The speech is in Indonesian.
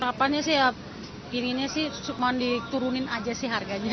ya harapannya sih ya inginnya sih mau diturunin aja sih harganya